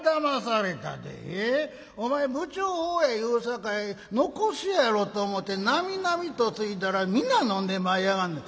お前不調法や言うさかい残すやろと思てなみなみとついだら皆飲んでまいやがんねん」。